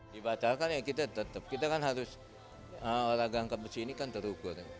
dibatalkan ya kita tetap kita kan harus olahraga angkat besi ini kan terukur